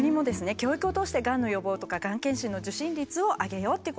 教育を通してがんの予防とかがん検診の受診率を上げようっていうことなんですね。